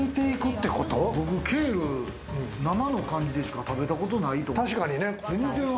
僕、ケール生の感じでしか食べたことないと思う。